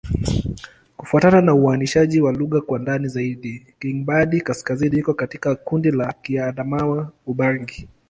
Kufuatana na uainishaji wa lugha kwa ndani zaidi, Kingbandi-Kaskazini iko katika kundi la Kiadamawa-Ubangi.